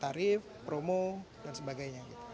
tarif promo dan sebagainya